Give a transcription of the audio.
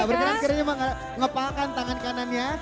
bergerak akhirnya mengapakan tangan kanannya